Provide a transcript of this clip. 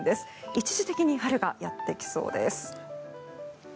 一時的に春がやってきそうです。